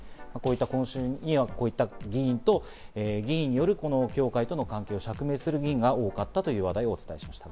今週にはこういった議員による教会との関係を釈明する議員が多かったという話題をお伝えしました。